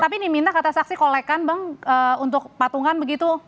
tapi diminta kata saksi kolekan bang untuk patungan begitu